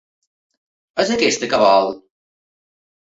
És aquesta que vol?